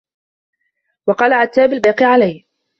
وَقَالَ عَتَّابٌ الْبَاقِي عَلَيَّ